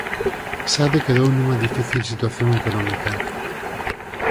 Sade quedou nunha difícil situación económica.